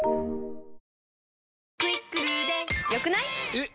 えっ！